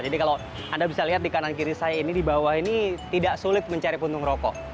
jadi kalau anda bisa lihat di kanan kiri saya ini di bawah ini tidak sulit mencari puntung rokok